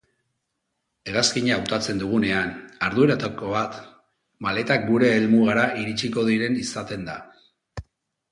Hegazkina hautatzen dugunean, arduretako bat maletak gure helmugara iritsiko diren izaten da.